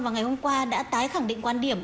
vào ngày hôm qua đã tái khẳng định quan điểm